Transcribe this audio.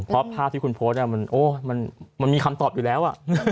เพราะภาพที่คุณโพสต์มันมีคำตอบอยู่แล้ว